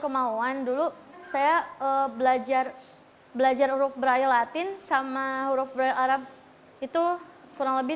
kemauan dulu saya belajar belajar huruf braille latin sama huruf brail arab itu kurang lebih